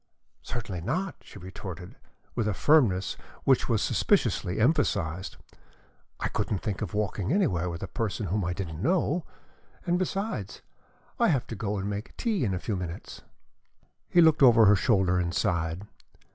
"Certainly not," she retorted, with a firmness which was suspiciously emphasized. "I couldn't think of walking anywhere with a person whom I didn't know! And besides, I have to go and make tea in a few minutes." He looked over her shoulder and sighed.